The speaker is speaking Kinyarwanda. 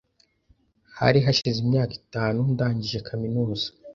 Hari hashize imyaka itanu ndangije kaminuza.